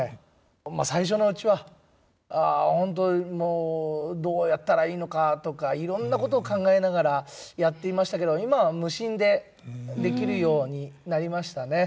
まあ最初のうちはホントもうどうやったらいいのかとかいろんなこと考えながらやっていましたけど今は無心でできるようになりましたね。